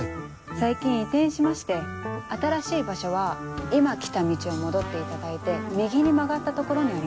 最近移転しまして新しい場所は今来た道を戻っていただいて右に曲がった所にあります。